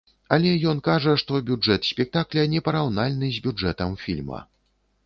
Але ён кажа, што бюджэт спектакля не параўнальны з бюджэтам фільма.